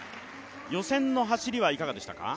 予選の走りはいかがでしたか？